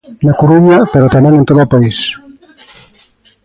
Na Coruña, pero tamén en todo o país.